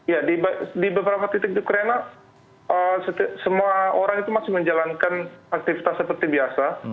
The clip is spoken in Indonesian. ya di beberapa titik di ukraina semua orang itu masih menjalankan aktivitas seperti biasa